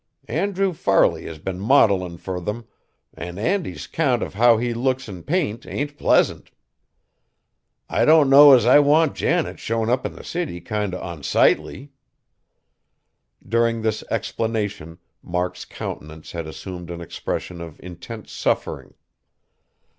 Andrew Farley has been modilin' fur them, an' Andy's 'count of how he looks in paint ain't pleasant. I don't know as I want Janet shown up in the city kinder onsightly." During this explanation Mark's countenance had assumed an expression of intense suffering.